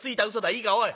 いいかおい。